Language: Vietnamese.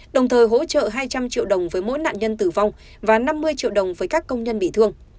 đồng thời hỗ trợ hai trăm linh triệu đồng với mỗi nạn nhân tử vong và năm mươi triệu đồng với các công nhân bị thương